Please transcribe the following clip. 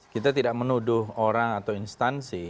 kita tidak menuduh orang atau instansi